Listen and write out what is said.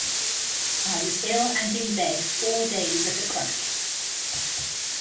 I was ill and in bed four days at a crack.